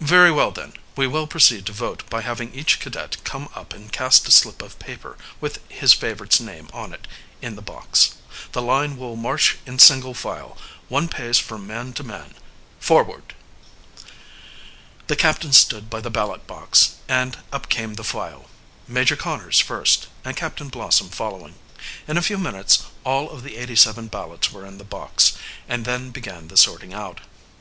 "Very well then, we will proceed to vote by having each cadet come up and cast a slip of paper with his favorite's name on it in the box. The line will march in single file, one pace from man to man. Forward!" The captain stood by the ballot box, and up came the file, Major Conners first and Captain Blossom following. In a few minutes all of the eighty seven ballots were in the box, and then began the sorting out.